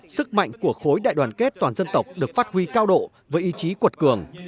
sức mạnh của khối đại đoàn kết toàn dân tộc được phát huy cao độ với ý chí cuột cường